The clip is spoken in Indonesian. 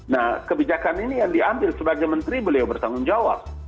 nah kebijakan ini yang diambil sebagai menteri beliau bertanggung jawab